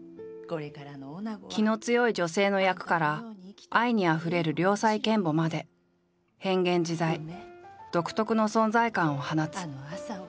気の強い女性の役から愛にあふれる良妻賢母まで変幻自在独特の存在感を放つ。